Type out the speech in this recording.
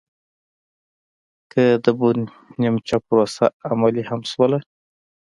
که د بن نیمچه پروسه عملي هم شوله